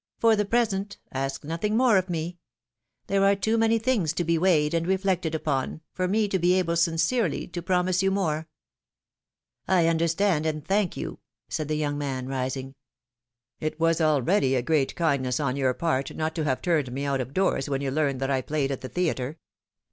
For the present, ask nothing more of me; there are too many things to be weighed and reflected upon, for me to be able sincerely to promise you more." I understand and thank you," said the young man, rising. It was already a great kindness on your part not PHILOMiiNE's MARRIAGES. 191 to liave turned me out of doors, when you learned that I played at the theatre.